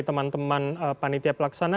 teman teman panitia pelaksana